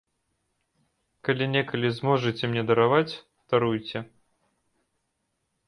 Калі некалі зможаце мне дараваць, даруйце.